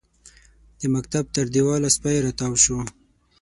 د مکتب تر دېواله سپی راتاو شو.